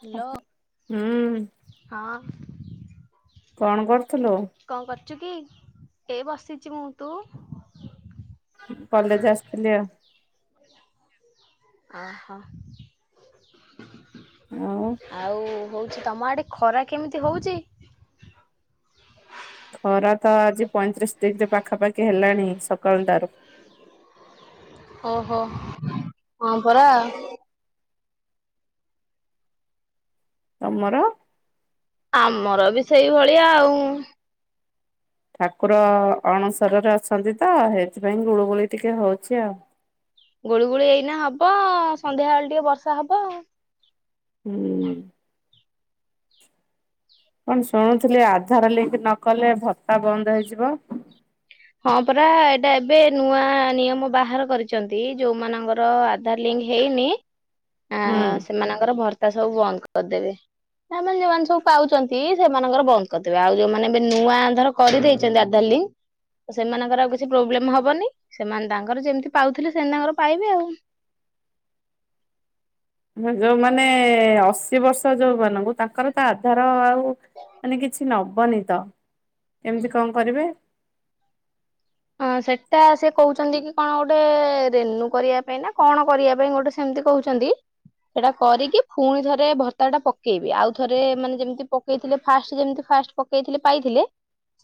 Hello ହୁଁ ହଁ। କଣ କରୁଥୁଲୁ? କରଚୁ କି? ଏ ବସିଚି ମୁଁ। ତୁ? କଲେଜ ଆସିଥିଲି ଆଉ। ଓହୋ। ଆଉ ଆଉ ହଉଛି ତମ ଆଡେ ଖରା କେମତି ହଉଛି? ଖରା ତ ଆଜି ପଇଁତିରିଶ ଡିଗ୍ରୀ ପାଖାପାଖି ହେଲାଣି ସକାଳ ଟାରୁ। ଓହୋ। ହଁ ପରା ତମର? ଆମର ବି ସେଇଭଳିଆ ଆଉ। ଠାକୁର ଅଣସରରେ ଅଛନ୍ତି ତ, ସେଇଥିପାଇଁ ଗୁଳୁଗୁଳି ଟିକେ ହଉଛି ଆଉ। ଗୁଳୁଗୁଳି ଏଇନା ହବ, ସନ୍ଧ୍ୟାବେଳେ ଟିକେ ବର୍ଷା ହବ ହୁଁ। କଣ ଶୁଣୁଥିଲି ଆଧାର ଲିଙ୍କ ନ କଲେ ଭତ୍ତା ବନ୍ଦ ହେଇଯିବ। ହଁ ପରା ଏଇଟା ଏବେ ନୂଆ ନିୟମ ବାହାର କରିଛନ୍ତି ଯୋଉମାନଙ୍କର ଆଧାର ଲିଙ୍କ୍ ହେଇନି ଆ ହୁଁ। ସେମାନଙ୍କର ଭର୍ତା ସବୁ ବନ୍ଦ କରିଦେବେ। ତାମାନେ ଯୋଉମାନେ ସବୁ ପାଉଛନ୍ତି ସେମାନଙ୍କର ବନ୍ଦ କରିଦେବେ ଆଉ ଯୋଉମାନେ ଏବେ ନୂଆ ଅଧାର କରିଦେଇଛନ୍ତି ଆଧାରଲିଙ୍କ୍। [unintelligible] ସେମାନଙ୍କର ଆଉ କିଛି ପ୍ରୋବ୍ଲେମ ହବନି ସେମାନେ ତାଙ୍କର ଯେମିତି ପାଉଥିଲେ ସେମିତି ତାଙ୍କର ପାଇବେ ଆଉ। [unintelligible] ହ ଯୋଉମାନେ ଅଶୀ ବର୍ଷ ଯୋଉ ମାନଙ୍କୁ ତାଙ୍କର ତ ଆଧାର ଆଉ ମାନେ କିଛି ନବନି ତ କେମିତି କଣ କରିବେ? ହଁ ସେଟା ସେ କହୁଛନ୍ତି କି କଣ ଗୋଟେ ରେନୁ କରିବା ପାଇଁ ନା କଣ କରିବା ପାଇଁ ଗୋଟେ ସେ କେମିତି କହୁଛନ୍ତି? ସେଇଟା କରିକି ପୁଣି ଥରେ ଭତ୍ତା ଟା ପକେଇବି ଆଉ ଥରେ ମାନେ ଯେମିତି ପକେଇଥିଲେ ଫାଷ୍ଟ ଯେମିତି ଫାଷ୍ଟ ପକେଇଥିଲେ ପାଇଥିଲେ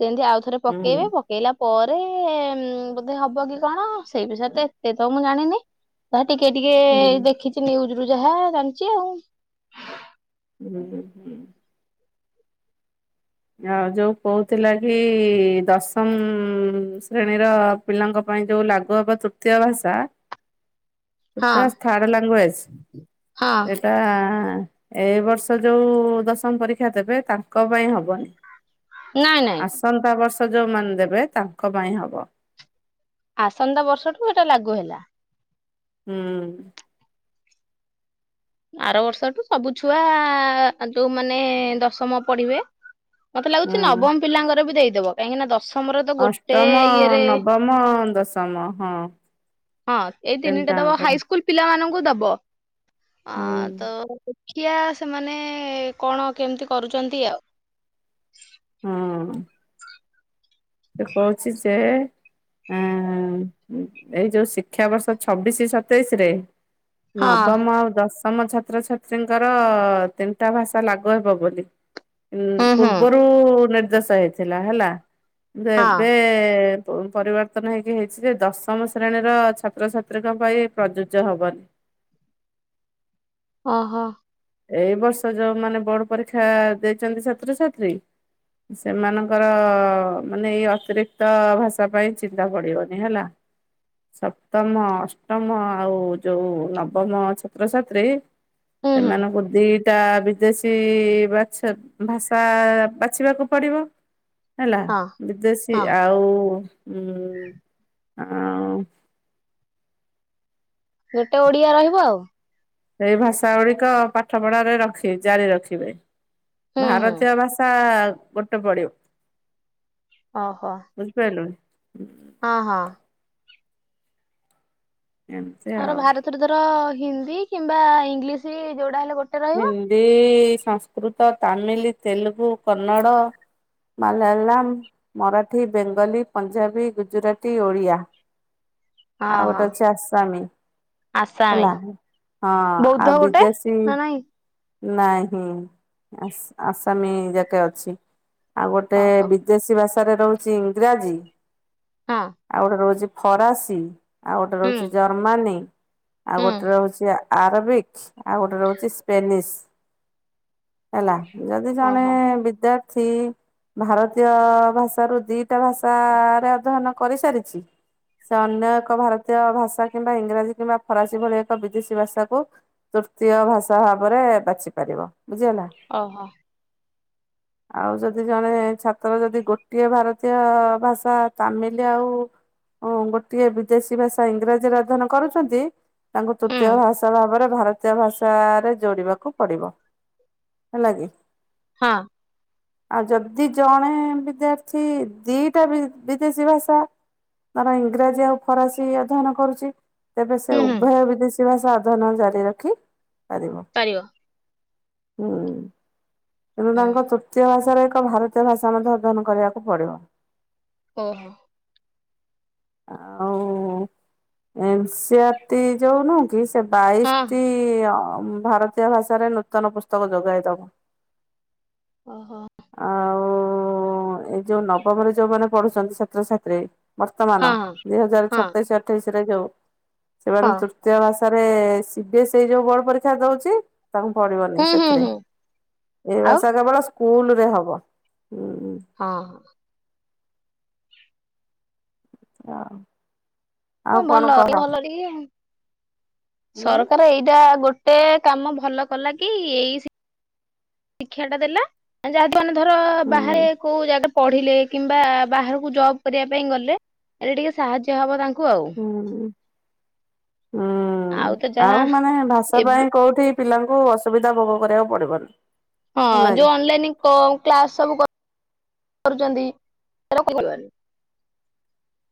ସେମତି ଆଉ ଥରେ ହୁଁ ପକେଇବେ ପକେଇଲା ପରେ ହୁଁ ବୋଧେ ହବ କି କଣ ସେଇ ବିଷୟରେ ତ ଏତେ ତ ମୁଁ ଜାଣିନି। ଟିକେ ଟିକେ ହୁଁ ଦେଖିଛି ନିଉଜ୍‌। ରୁ ଯାହା ଜାଣିଛି ଆଉ ହୁଁ ହୁଁ। ଆଉ ଯୋଉ କହୁଥିଲା କି ଦଶମ ଶ୍ରେଣୀର ପିଲାଙ୍କ ପାଇଁ ଯୋଉ ଲାଗୁ ହବ ତୃତୀୟ ଭାଷା। ସେ ହଁ ତ ଥାର୍ଡ ଲାଙ୍ଗୁଏଜ ହଁ। ଏଇଟା ଏଇ ବର୍ଷ ଯୋଉ ଦଶମ ପରୀକ୍ଷା ଦେବେ ତାଙ୍କ ପାଇଁ ହବନି। ନାଇଁ ନାଇଁ ଆସନ୍ତା ବର୍ଷ ଯୋଉମାନେ ଦେବେ ତାଙ୍କ ପାଇଁ ହବ। ଆସନ୍ତା ବର୍ଷଠୁ ଏଟା ଲାଗୁ ହେଲା। ହୁଁ। ଆର ବର୍ଷଠୁ ସବୁ ଛୁଆ ଯୋଉ ମାନେ ଦଶମ ପଢିବେ। ମତେ ଲାଗୁଛି ହୁଁ ନବମ ପିଲାଙ୍କର ବି ଦେଇଦବ କାହିଁକି ନା ଦଶ ଅଷ୍ଟମ ନବମ ଦଶମ ହଁ। ହଁ ଏଇ ତିନିଟା ଦବ ତିନିଟାଙ୍କର ହାଇସ୍କୁଲ ପିଲାମାନଙ୍କୁ ଦବ ହୁଁ ତ ମୁଖିଆ ସେମାନେ କଣ କେମିତି କରୁଛନ୍ତି ଆଉ। ହୁଁ। ସେ କହୁଛି ଯେ ହୁଁ ଏଇ ଯୋଉ ଶିକ୍ଷାବର୍ଷ ଛବିଶି ସତେଇଶି ରେ ନବମ ହଁ ଆଉ ଦଶ ତମ ଛାତ୍ରଛାତ୍ରୀଙ୍କର ତିନିଟା ଭାଷା ଲାଗୁ ହେବ ବୋଲି। ହୁଁ ହୁଁ ପୂର୍ବରୁ ନିର୍ଦ୍ଦେଶ ହେଇଥିଲା ହେଲା କିନ୍ତୁ ହଁ ଏବେ ପରିବର୍ତ୍ତନ ହେଇକି ହେଇଛି ଯେ ଦଶମ ଶ୍ରେଣୀର ଛାତ୍ରଛାତ୍ରୀଙ୍କ ପାଇଁ ପ୍ରଯୁଜ୍ୟ ହବନି। ଓହୋ। ଏଇ ବର୍ଷ ଯୋଉ ମାନେ ବୋର୍ଡ ପରୀକ୍ଷା ଦେଇଛନ୍ତି ଛାତ୍ରଛାତ୍ରୀ ସେମାନଙ୍କର ମାନେ ଏଇ ଅତିରିକ୍ତ ଭାଷା ପାଇଁ ଚିନ୍ତା ପଡିବନି ହେଲା। ସପ୍ତମ ଅଷ୍ଟମ ଆଉ ଯୋଉ ନବମ ଛାତ୍ରଛାତ୍ରୀ ହୁଁ ହୁଁ ସେମାନଙ୍କୁ ଦି ଟା ବିଦେଶୀ ବାଛ ଭାଷା ବାଛିବାକୁ ପଡିବ। ହେଲା ହଁ ବିଦେଶୀ ହଁ ଆଉ ଉ ଆଉ ଗୋଟେ ଓଡିଆ ରହିବ ଆଉ। ଏଇ ଭାଷା ଗୁଡିକ ପାଠ ପଢାରେ ରଖି ଜାରି ରଖିବେ। ହୁଁ ହୁଁ ଭାରତୀୟ ଭାଷା ଗୋଟେ ପଡିିବ। ଓହୋ ବୁଝିପାଇଲୁ। ହଁ ହଁ। ଏମିତି ଆର ଆଉ ଭାରତରେ ଧର ହିନ୍ଦୀ କିମ୍ବା ଇଂଲିଶ ବି ଯୋ ହିନ୍ଦୀ ସଂସ୍କୃତ ତାମିଲ ତେଲୁଗୁ କନ୍ନଡ଼। ମାଲଲାୟମ୍ ମରାଠୀ ବେଙ୍ଗଲୀ ପଞ୍ଜାବୀ ଗୁଜୁରାଟି ଓଡ଼ିଆ। ହଁ ଆଉ ଗୋଟେ ହଁ ଅଛି ଆସାମି। ଆସାମୀ ହେଲା ହଁ ବୌଦ୍ଧ ଆଉ ଗୋଟେ ବିଦେଶୀ ନା ନାଇଁ? ନାହିଁ ଆସାମୀ ଯାକେ ଅଛି। ଆଉ ଗୋଟେ ଓହୋ ବିଦେଶୀ ଭାଷାରେ ରହୁଚି ଇଂରାଜୀ ହଁ ଆଉ ଗୋଟେ ରହୁଚି ଫରାସୀ ଆଉ ଗୋଟେ ହୁଁ ରହୁଚି ଜର୍ମାନୀ ଆଉ ହୁଁ। ଗୋଟେ ରହୁଚି ଆରବିକ ଆଉ ଗୋଟେ ରହୁଛି ସ୍ପେନିଶ ହେଲା। ଯଦି ଜଣେ ଓହୋ। ବିଦ୍ୟାର୍ଥୀ ଭାରତୀୟ ଭାଷା ରୁ ଦିଟା ଭାଷାରେ ଅଧ୍ୟୟନ କରିସାରିଛି। ସେ ଅନ୍ୟ ଏକ ଭାରତୀୟ ଭାଷା କିମ୍ବା ଇଂରାଜୀ କିମ୍ବା ଫରାସୀ ଭଳି ଏକ ବିଦେଶୀ ଭାଷାକୁ। ତୃତୀୟ ଭାଷା ଭାବରେ ବାଛି ପାରିବ। ବୁଝିହେଲା। ଓହୋ ଆଉ ଯଦି ଜଣେ ଛାତ୍ର ଯଦି ଗୋଟିଏ ଭାରତୀୟ ଭାଷା ତାମିଲି ଆଉ। ହଁ ଗୋଟିଏ ବିଦେଶୀ ଭାଷା ଇଂରାଜୀରେ ଅଧ୍ୟୟନ କରୁଛନ୍ତି, ତାଙ୍କୁ ହୁଁ ତୃତୀୟ ଭାଷା ଭାବରେ। ଭାରତୀୟ ଭାଷାରେ ଯୋଡିବାକୁ ପଡିବ। ହେଲା କିି। ହଁ। ଆଉ ଯଦି ଜଣେ ବିଦ୍ୟାର୍ଥୀ ଦିଟା ବିଦେଶୀ ଭାଷା। ତାର ଇଂରାଜୀ ଆଉ। ଫରାସୀ ଅଧ୍ୟୟନ କରୁଛି। ତେବେ, ସେ ହୁଁ ହୁଁ ଉଭୟ ବିଦେଶୀ ଭାଷା ଅଧ୍ୟୟନ ଜାରି ରଖି ହୁଁ। ପାରିବ କିନ୍ତୁ ହୁଁ ତାଙ୍କ ତୃତୀୟ ଭାଷାରେ। ଏକ ଭାରତୀୟ ଭାଷା ମଧ୍ୟ ଅଧ୍ୟୟନ କରିବାକୁ ପଡ଼ିବ। ଓ ହୋ। ଆଉ ଏମସିଆ ଯୋଉ ନୁହଁ କି ସେ ହଁ। ବାଇଶଟି ଅ ଭାରତୀୟ ଭାଷାରେ ନୂତନ ପୁସ୍ତକ ଯୋଗାଇ ଦବ। ଓହୋଃ। ଆଉ ଏଇ ଯୋଉ ନବମରେ ଯୋଉମାନେ ପଢୁଛନ୍ତି ଛାତ୍ରଛାତ୍ରୀ। ହଁ ବର୍ତ୍ତମାନ, ହଁ ଦୁଇ ହଜାର ହଁ ସତେଇଶ ଅଠେଇଶ ରେ ଯୋଉ ସେମାନେ ହଁ ତୃତୀୟ ଭାଷା। ରେ ସି ବି ଏସ୍ ଏଇ ଯୋଉ ବୋଡ ପରୀକ୍ଷା ଦଉଛି। ତାଙ୍କୁ ପଢିବନି ହୁଁ ହୁଁ ସେଥିରେ। ହୁଁ ଏଇ ଆଉ ଭାଷା କେବଳ ସ୍କୁଲ ରେ ହବ। ହୁଁ ହଁ। ହଁ। ହଁ ଭଲ, ଭଲଟିକେ ହୁଁ ସରକାର ଏଇଟା ଗୋ ଗୋଟେ କାମ ଭଲ କଲା କି ଏଇ। ଶିକ୍ଷା ଟା ଦେଲା। ଯାହାତ ମାନେ ଧର ହୁଁ ବାହାରେ କୋଉ ଜାଗା ପଢିଲେ କିମ୍ବା ବାହାରକୁ ଜବ କରିବା ପାଇଁ ଗଲେ ଏଟା ଟିକେ ସାହାଯ୍ୟ ହବ ତା ହୁଁ। ହୁଁ ତ ଯାହା ଆଉ ମାନେ ଭାଷା ଏବେ ପାଇଁ କୋଉଠି ପିଲାଙ୍କୁ। ଅସୁବିଧା ଭୋଗ କରିବାକୁ ପଡିବନି। ହଁ ହେଲା କି ଯୋଉ ଅନଲାଇନ କ୍ଲାସ ସବୁ। କରୁଛନ୍ତିିବି [unintelligible]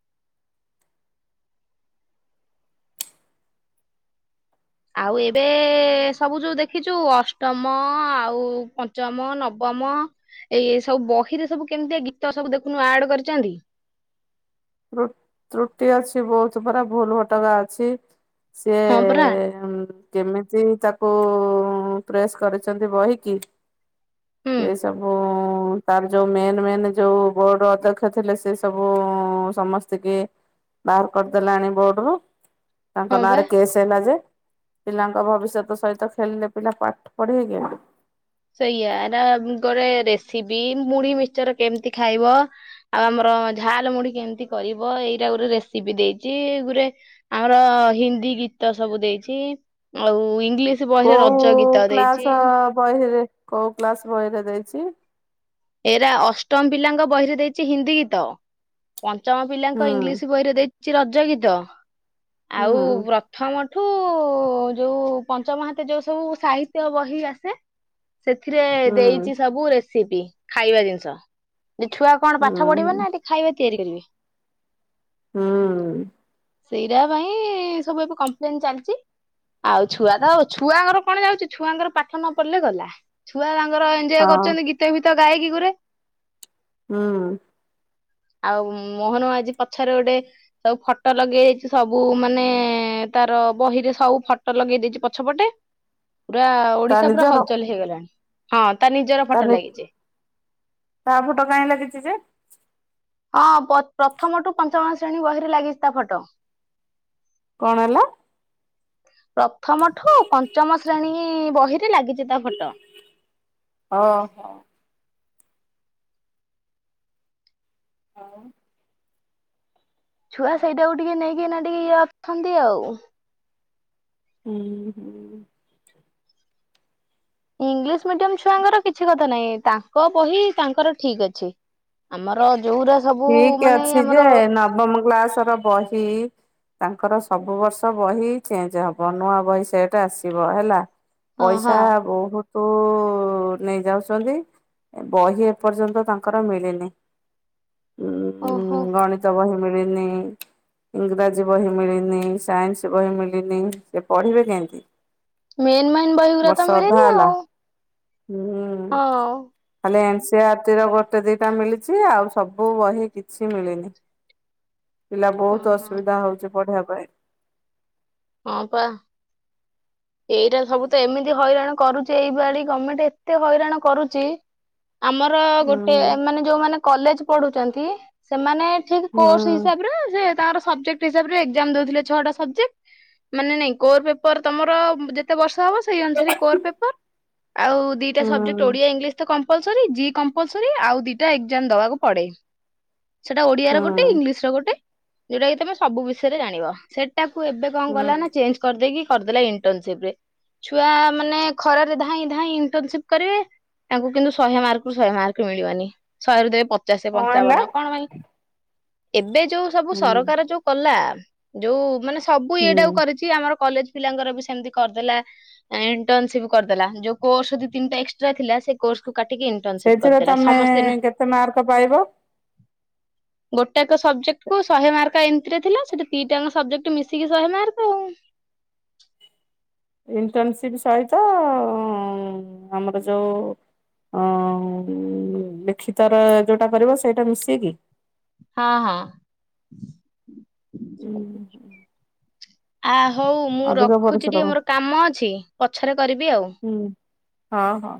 ଆଉ ଏବେ ସବୁ ଯୋଉ ଦେଖିଛୁ ଅଷ୍ଟମ ଆଉ ପଞ୍ଚମ, ନବମ। ତମ ଏଇ ସବୁ ବହିରେ ସବୁ କେମିତିଆ ଗୀତ ସବୁ ଦେଖୁନୁ ଆଡ କରିଛନ୍ତି। ତ୍ରୁଟି ଅଛି ବହୁତ ପରା। ଭୁଲ ଭଟକା ଅଛି। ସିଏ ହଁ ପରା। କେମିତି ତାକୁ। କୁ ପ୍ରେସ୍ କରିଛନ୍ତି ବହିକି। ହୁଁ ସେ ସବୁ। ତାର ଯୋଉ ମେନ୍, ମେନ୍ ଯୋଉ ବୋର୍ଡ ଅଧ୍ୟକ୍ଷ ଥିଲେ ସେ ସବୁ ଉ ସମସ୍ତ କି ବାହାର କରିଦେଲାଣି ବୋର୍ଡରୁ। ତାଙ୍କ ହଁ ବା। ନାଁରେ କେସ୍ ହେଲା ଯେ। ପିଲାଙ୍କ ଭବିଷ୍ୟତ ସହିତ ଖେଳିଲେ ପିଲା ପାଠ ପଢିବେ କେମିତି? ସେଇଆା ଏଟା ଗୋଟେ ରେସିପି ମୁଢି ମିଚର କେମିତି ଖାଇବ? ଆଉ ଆମର ଝାଲ ମୁଢି କେମିତି କରିବ? ଏଇଟା ଗୁରେ ରେସିପି ଦେଇଚି। ଗୁରେ ଆମର ହିନ୍ଦୀ ଗୀତ ସବୁ ଦେଇଛି। ଆଉ ଇଂଲିଶ ବହିରେ ରଜ କୋଉ ଗୀତ ଦେଇଛି କ୍ଲାସ ବହିରେ? କୋଉ କ୍ଳାସ ବହିରେ ଦେଇଛି? ଏରା ଅଷ୍ଟମ ପିଲାଙ୍କ ବହିରେ ଦେଇଛି ହିନ୍ଦୀ ଗୀତ। ପଞ୍ଚମ ପିଲାଙ୍କ ହୁଁ ଇଂଲିଶ ବହିରେ ଦେଇଛି ରଜ ଗୀତ। ଆଉ ହୁଁ ପ୍ରଥମ ଏଠୁ ଯୋଉ ପଞ୍ଚମ ହାତ ଯୋଉ ସବୁ ସାହିତ୍ୟ ବହି ଆସେ ସେଥିରେ ଦେଇଛି ହୁଁ ସବୁ ରେସିପି, ଖାଇବା ଜିନିଷ ସେ ଛୁଆ କଣ ପାଠ ପଢିବେ ହୁଁ ନା ଖାଇବା ତିଆରି କରିବେ? ହୁଁ। ସେଇଟା ପାଇଁ ସବୁ ଏବେ କମ୍ପ୍ଲେନ ଚାଲିଛି ଆଉ ଛୁଆ ତ ଛୁଆଙ୍କର କଣ ଯାଉଛି ଛୁଆଙ୍କର ପାଠ ନ ପଢିଲେ ଗଲା ଛୁଆ ତାଙ୍କୁ ତାଙ୍କର ଏନଜୟେ ହଁ କରୁଛନ୍ତି ଗୀତ ଗୀତ ଗାଇକି ଗୁରେ ହୁଁ। ଆଉ ମୋହନ ମାଝୀ ପଛରେ ଗୋଟେ ସବୁ ଫଟୋ ଲଗେଇ ଦେଇଛି ସବୁ ମାନେ ତାର ବହିରେ ସବୁ ଫଟୋ ଲଗେଇ ଦେଇଛି ପଛପଟେ ହଁ। ପୁରା ଓଡିଶା ପୁରା ହଲଚଲ ହେଇଗଲାଣି ହଁ ତା ନିଜର ଫଟୋ ଲାଗିଛି ତା ଫଟୋ କାହିଁ ଲାଗିଛି ଯେ ହଁ ପ୍ରଥମ ଟୁ ପଞ୍ଚମ ଶ୍ରେଣୀ ବହିରେ ଲାଗିଛି ତା ଫଟୋ କଁଣ ହେଲା? ପ୍ରଥମଠୁ ପଞ୍ଚମ ଶ୍ରେଣୀ ବହିରେ ଲାଗିଛି। ତା ଫଟୋ ଓ ହୋ। [inaudible] ଛୁଆ ସେଇଟାକୁ ଟିକେ ନେଇକିନା ଟିକେ ଇଏ ଅଛନ୍ତି ଆଉ। ହୁଁ ହୁଁ। ଇଂଲିଶ ମିଡିୟମ ଛୁଆଙ୍କର କିଛି କଥା ନହିଁ ତାଙ୍କ ବହି ତାଙ୍କର ଠିକ ଅଛି। ଆମର ଯୋଉରା ସବୁ ଠିକ ମାନେ ଅଛି ଆମର ଯେ ନବମ କ୍ଳାସ ର ବହି ତାଙ୍କର ସବୁ ବର୍ଷ ବହି ଚେଞ୍ଜ ହବ ନୂଆ ବହି ସେଇଟ ଆସିବ ହେଲା। ହଁ ହଁ ପଇସା ବହୁତୁ [inaudible] ନେଇ ଯାଉଛନ୍ତି ବହି ଏପର୍ଯ୍ୟନ୍ତ ତାଙ୍କର ମିଳିନି ହୁଁ ଓହୋ ଗଣିତ ବହି ମିଳିନି ଇଂରାଜୀ ବହି ମିଳିନି ସାଇନ୍ସ ବହି ମିଳିନି ସେ ପଢିବେ କେମତି? ମେନ୍ ମେନ୍ ବହିଗରା ତ ମିଳେନି ହେଲା ଆଉ। ହୁଁ ହଁ ଖାଲି ଏନସି ଆରଟି ର ଗୋଟେ ଦିଟା ମିଳିଛି ଆଉ ସବୁ ସବୁ ବହି କିଛି ମିଳିନି ପିଲା ବହୁତ ଓହୋ ଅସୁବିଧା ହଉଛି ପଢିବାକୁ [inaudible] ହଁ ପା ଏଇଟା ସବୁ ତ ଏମିତି ହଇରାଣ କରୁଛି, ଏଇ ବାଡି ଗଭର୍ଣ୍ଣମେଣ୍ଟ ଏତେ ହଇରାଣ କରୁଛି ହ [inaudible] ଆମର ଗୋଟେ ଏମାନେ ଯୋଉମାନେ କଲେଜ ପଢୁଛନ୍ତି ସେମାନେ ଠିକ ହୁଁ କୋର୍ସ ହିସାବରେ ତାଙ୍କର ସବଜେକ୍ଟ ହିସାବରେ ଏକ୍ଜାମ ଦେଉଥିଲେ ଛଅଟା ସବଜେକ୍ଟ ମାନେ ନାଇଁ କୋର ପେପର ତମର ଯେତେ ବର୍ଷ ହବ ସେଇ ଅନୁସାରେ କୋର ପେପର ଆଉ ଦିଟା ହୁଁ ସୁବଜେକଟ ଓଡିଆ ଇଂଲିଶ କମ୍ପୋଲଶୋରୀ ଜି କମ୍ପଲଶୋରୀ ଆଉ ଦିଟା ଏକ୍ଜାମ ଦେବାକୁ ପଡ଼େ ସେଟା ଓଡିଆ ହୁଁ ରେ ଗୋଟେ ଇଂଲିଶ ରେ ଗୋଟେ ଯୋଉଟା କି ତମେ ସବୁ ବିଷୟରେ ଜାଣିବ ସେ ତାାକୁ ଏବେ କାଁ କଲାଲା ନା ହୁଁ ଚେଞ୍ଜ କରିଦେଇକି କରିଦେଲା ଇଣ୍ଟର୍ନସିପ ରେ ଛୁଆ ମାନେ ଖରାରେ ଧାଇଁ ଧାଇଁ ଇଣ୍ଟର୍ନସିପ କରିବେ ତାଙ୍କୁ କିନ୍ତୁ ଶହେ ମାର୍କ ରରୁ ଶହେ ମାର୍କ ମିଳିବନି ଶହେରୁ ଦେବେ ପ ପଚାଶ କଣ ହେଲା? ପଞ୍ଚାବନ କଣ ପାଇଁ ଏବେ ଯୋଉ ସବୁ ସରକାର ଯୋଉ କଲା ଯୋଉ ମାନେ ସବୁ ଏଇଟା କରିଛି ଆମର କଲେଜ ପିଲାଙ୍କର ବି ଏମିତି କରିଦେଲା, ଇଣ୍ଟନସିପ କରିଦେଲା, ଯୋଉ କୋର୍ସ ଦି ତିନିଟା ଏକ୍ସଟ୍ରା ଥିଲା, ସେ କୋର୍ସ କୁ କାଟିକି ଇଣ୍ଟର୍ନସିପ ସେଥିରେ କରିଦେଲା ତମେ ସମସ୍ତେ ନା କେତେ ମାର୍କ ପାଇବ ହ [inaudible] ଗୋଟେକ ସବଜେକ୍ଟ କୁ ଶହେ ମାର୍କ ଏମିତିରେ ଥିଲା, ସେଠି ଦିଟାଙ୍କ ସବଜେକ୍ଟ ମିଶିକି ଶହେ ମାର୍କ ଆଉ [inaudible] ଇଣ୍ଟନସିପ ସହିତ ଆମର ଯୋଉ ହ ଲିଖିତର ଯୋଉଟା କରିବ ସେଇଟା ମିସେଇକି ହଁ ହଁ। ହୁଁ ହୁ। ଆ ହଉ, ମୁଁ ରଖୁଛି ଟିକେ ପରିଶ୍ରମ ମୋର କାମ ଅଛି, ପଛରେ କରିବି ଆଉ ହୁଁ ହଁ ହଁ।